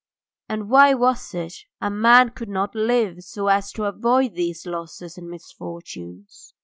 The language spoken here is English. And why was it a man could not live so as to avoid these losses and misfortunes?